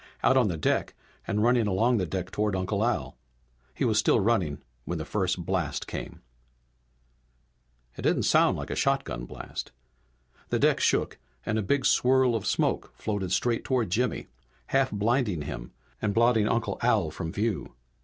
Out on the deck and running along the deck toward Uncle Al. He was still running when the first blast came. It didn't sound like a shotgun blast. The deck shook and a big swirl of smoke floated straight toward Jimmy, half blinding him and blotting Uncle Al from view.